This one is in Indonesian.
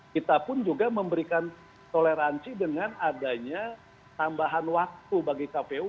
kita pun juga memberikan toleransi dengan adanya tambahan waktu bagi kpu